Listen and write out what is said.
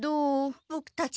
ボクたち